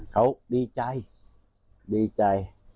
เขาดีใจดีใจ